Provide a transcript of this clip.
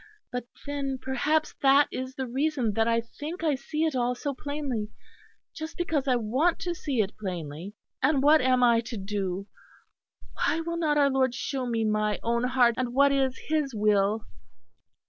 But then perhaps that is the reason that I think I see it all so plainly; just because I want to see it plainly. And what am I to do? Why will not our Lord shew me my own heart and what is His Will?"